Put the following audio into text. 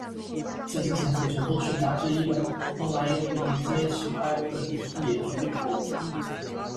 迄今现存九座水闸之一的用于连接石块用的铁锔扣。